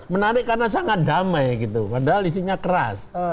menarik karena sangat damai gitu padahal isinya keras